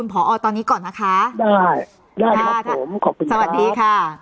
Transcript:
ผอตอนนี้ก่อนนะคะได้ได้ครับผมขอบคุณครับสวัสดีค่ะ